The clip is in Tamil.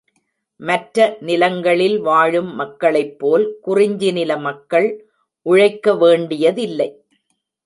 மற்ற நிலங்களில் வாழும் மக்களைப்போல் குறிஞ்சி நில மக்கள் உழைக்க வேண்டியதில்லை.